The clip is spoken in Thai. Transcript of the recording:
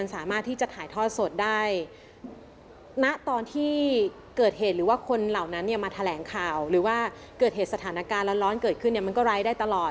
ในสถานการณ์แล้วร้อนเกิดขึ้นมันก็รายได้ตลอด